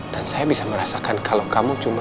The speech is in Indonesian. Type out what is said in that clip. dan saya bisa merasakan kalau kamu cuma